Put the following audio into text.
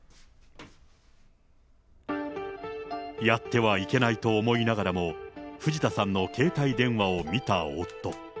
やってはいけないと思いながらも、藤田さんの携帯電話を見た夫。